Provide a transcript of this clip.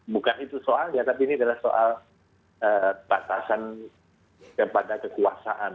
bukan itu soalnya tapi ini adalah soal batasan kepada kekuasaan